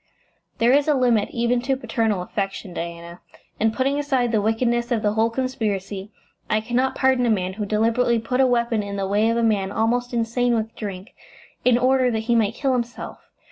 "There is a limit even to paternal affection, Diana. And putting aside the wickedness of the whole conspiracy, I cannot pardon a man who deliberately put a weapon in the way of a man almost insane with drink, in order that he might kill himself.